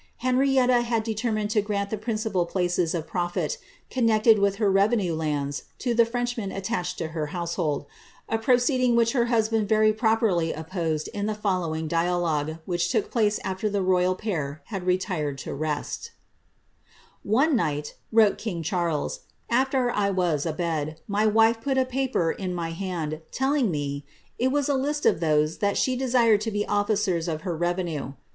Henrietta had determined to grant the principal place* of profit connected with her revenue lands to tlie Frenchmen attached to her household, a proceeding which her husband very properly opposed in the following dialogue, which took place after the royal pair had re* tired to rest :—*' One night/' wrote king Charles, aflcr I was a bed, my wife put a paper ia mj hand, telling me * it was a list of those that she desired to be officers of ber revenue.'